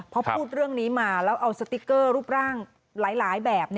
พอพูดเรื่องนี้มาแล้วเอาสติ๊กเกอร์รูปร่างหลายแบบ